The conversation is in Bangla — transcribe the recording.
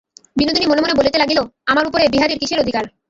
বিনোদিনী মনে মনে বলিতে লাগিল, আমার উপরে বিহারীর কিসের অধিকার।